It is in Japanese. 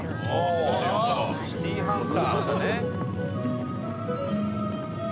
伊達：『シティーハンター』。